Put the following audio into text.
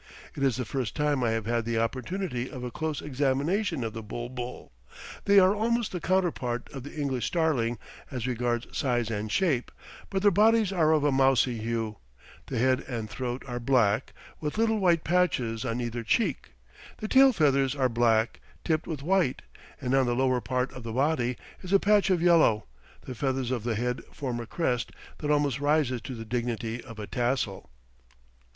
It is the first time I have had the opportunity of a close examination of the bul bul. They are almost the counterpart of the English starling as regards size and shape, but their bodies are of a mousey hue; the head and throat are black, with little white patches on either "cheek;" the tail feathers are black, tipped with white, and on the lower part of the body is a patch of yellow; the feathers of the head form a crest that almost rises to the dignity of a tassel.